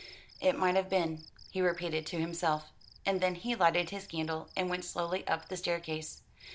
"It might have been," he repeated to himself: and then he lighted his candle and went slowly up the staircase.